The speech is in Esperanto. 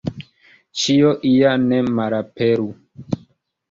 Ĉio ja ne malaperu.